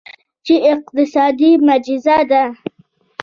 چین اقتصادي معجزه ده.